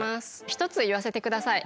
一つ言わせてください。